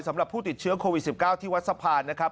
สำหรับผู้ติดเชื้อโควิด๑๙ที่วัดสะพานนะครับ